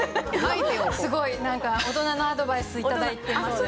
すごい何か大人のアドバイス頂いてます。